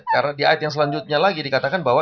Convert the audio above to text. karena di ayat yang selanjutnya lagi dikatakan bahwa